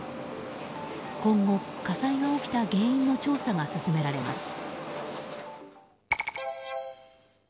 今後、火災が起きた原因の調査が進められます。